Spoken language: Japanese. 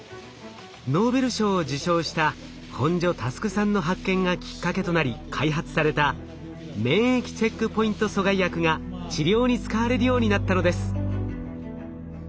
ノーベル賞を受賞した本庶佑さんの発見がきっかけとなり開発された免疫チェックポイント阻害薬が治療に使われるようになったのです。